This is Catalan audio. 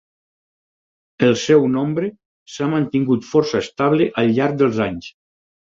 El seu nombre s'ha mantingut força estable al llarg dels anys.